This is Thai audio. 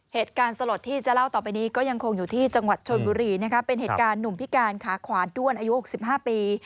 เหตุการณ์สลดที่จะเล่าต่อไปนี้ก็ยังคงอยู่ที่จังหวัดชนบุรีนะคะเป็นเหตุการณ์หนุ่มพิการขาขวานด้วนอายุ๖๕ปี